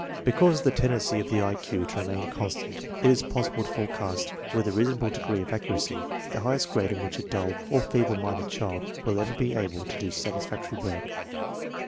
Because of the tendency of the I Q to remain constant, it is possible to forecast with a reasonable degree of ac curacy the highest grade in which a dull or feeble minded child will ever be able to do satisfactory work.